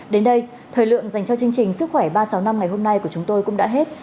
đến đây thời lượng dành cho chương trình sức khỏe ba trăm sáu mươi năm ngày hôm nay của chúng tôi cũng đã hết